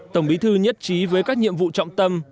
tổng bí thư nhất trí với các nhiệm vụ trọng tâm